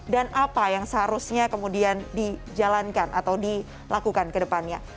dan apa yang seharusnya kemudian dijalankan atau dilakukan kedepannya